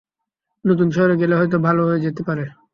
নতুন শহরে গেলে হয়তো, ভালো হয়ে যেতে পারে।